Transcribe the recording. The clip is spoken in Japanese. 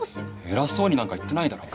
偉そうになんか言ってないだろ！